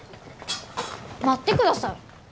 待ってください。